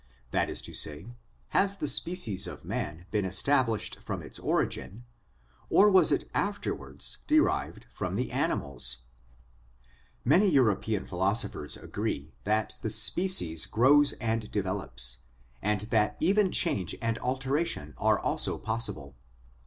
That is to say, has the species of man been established from its origin, or was it afterwards derived from the animals ? Many European philosophers agree that the species grows and develops, and that even change and altera tion are also possible.